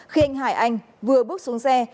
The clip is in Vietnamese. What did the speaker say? khi anh hải anh vừa bước xuống đường